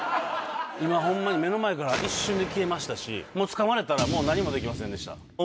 今ホンマに目の前から一瞬で消えましたしもうつかまれたらもう何もできませんでした。